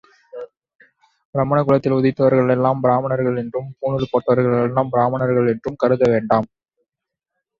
பிராமண குலத்தில் உதித்தவர்கள் எல்லாம் பிரமணர்கள் என்றும், பூணுல் போட்டவர்கள் எல்லாம் பிராமணர்கள் என்றும் கருத வேண்டாம்.